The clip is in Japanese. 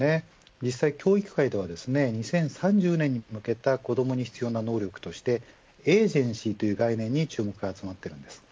実際、教育界では２０３０年に向けて子どもに必要な能力としてエージェンシーという概念が注目されています。